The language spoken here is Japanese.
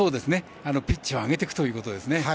ピッチを上げていくということですね。